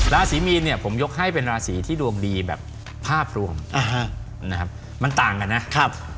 ราศีมีนเนี่ยผมยกให้เป็นราศีที่ดวงดีแบบภาพรวมนะครับมันต่างกันนะครับ